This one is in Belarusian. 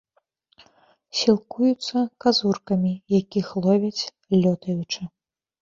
Сілкуюцца казуркамі, якіх ловяць, лётаючы.